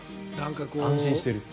安心している。